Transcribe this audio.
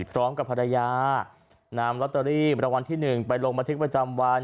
พร้อมกับภรรยานำลอตเตอรี่รางวัลที่๑ไปลงบันทึกประจำวัน